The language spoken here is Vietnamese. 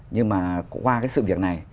nhưng mà qua cái sự việc này